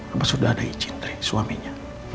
apa sudah ada izin dari suaminya